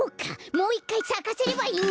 もういっかいさかせればいいんだ！